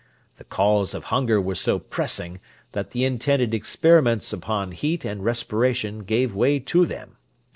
"The calls of hunger were so pressing, that the intended experiments upon heat and respiration gave way to them.